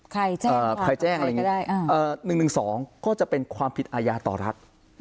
ใครแจ้งความใครก็ได้๑๑๒ก็จะเป็นความผิดอายาต่อรักษ์